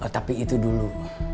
tapi itu dulu